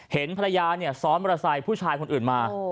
เห็นภรรยาซ้อนมอเตอร์ไซค์ผู้ชายคนอื่นมา